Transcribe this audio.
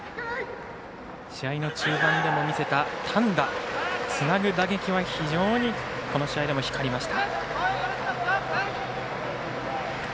試合の中盤でも見せた単打つなぐ打撃は非常にこの試合でも光りました。